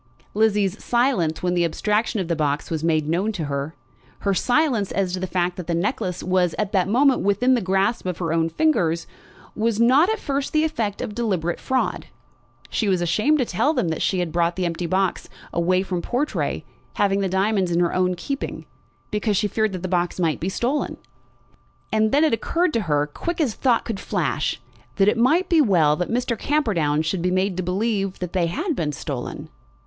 Lizzie's silence when the abstraction of the box was made known to her, her silence as to the fact that the necklace was at that moment within the grasp of her own fingers, was not at first the effect of deliberate fraud. She was ashamed to tell them that she brought the box empty from Portray, having the diamonds in her own keeping because she had feared that the box might be stolen. And then it occurred to her, quick as thought could flash, that it might be well that Mr. Camperdown should be made to believe that they had been stolen.